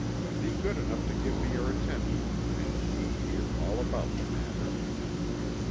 Be good enough to give me your attention and you shall hear all about the matter.